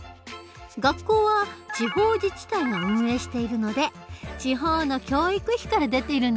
学校は地方自治体が運営しているので地方の教育費から出てるんだ。